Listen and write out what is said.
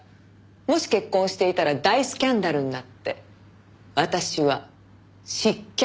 もし結婚をしていたら大スキャンダルになって私は失脚していました。